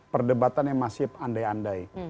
perdebatan yang masih andai andai